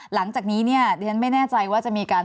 หลังจากนี้เนี่ยดิฉันไม่แน่ใจว่าจะมีการ